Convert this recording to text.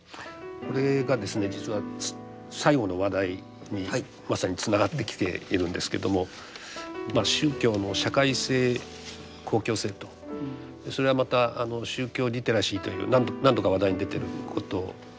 これがですね実は最後の話題にまさにつながってきているんですけども宗教の社会性公共性とそれはまた宗教リテラシーという何度か話題に出てることとも関わってます。